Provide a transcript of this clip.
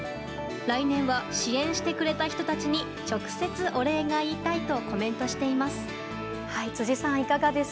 来年は支援してくれた人たちに直接お礼が言いたいとコメントしています。